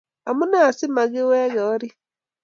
Amune asi magiwegen orit?